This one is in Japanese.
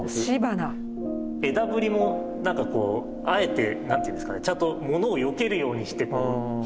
枝ぶりもなんかこうあえて何ていうんですかねちゃんとモノをよけるようにして広がってるじゃないですか。